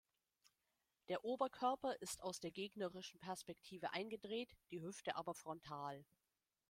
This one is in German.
Der Oberkörper ist aus der gegnerischen Perspektive eingedreht, die Hüfte aber frontal.